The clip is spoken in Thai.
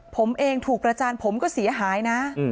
ผมเองถูกประจานผมก็เสียหายนะ